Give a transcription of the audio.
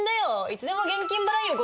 いつでも現金払いよ。